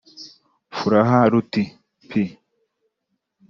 Furaha Ruti (P